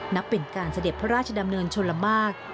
นับเป็นการเสด็จพระราชดำเนินชนละมาก